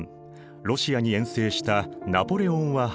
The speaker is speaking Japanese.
ロシアに遠征したナポレオンは敗退。